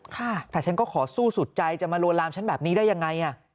แต่ฉันก็ขอสู้สุดใจจะมาลวนลามฉันแบบนี้ได้ยังไง